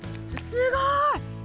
すごい！